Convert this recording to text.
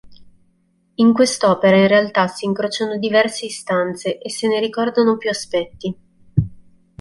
In quest'opera in realtà si incrociarono diverse istanze e se ne ricordano più aspetti.